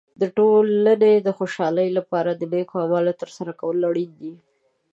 د ټولنې د خوشحالۍ لپاره د نیکو اعمالو تر سره کول اړین دي.